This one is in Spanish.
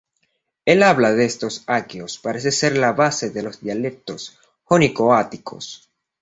El habla de estos aqueos parece ser la base de los dialectos jónico-áticos.